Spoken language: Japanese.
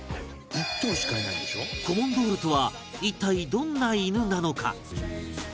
コモンドールとは一体どんな犬なのか？